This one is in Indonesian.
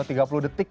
atau tiga puluh detik